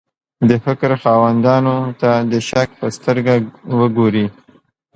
د فکر خاوندانو ته د شک په سترګه وګوري.